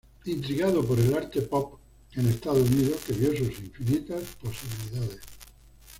Intrigado por el arte pop en Estados Unidos, que vio sus infinitas posibilidades.